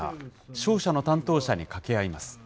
商社の担当者に掛け合います。